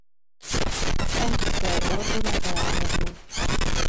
Angster orgona található.